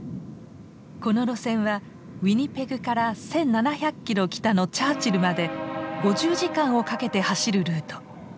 この路線はウィニペグから１，７００キロ北のチャーチルまで５０時間をかけて走るルート。